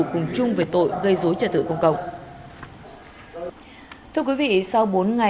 cùng chung về tội gây dối trợ tử công cộng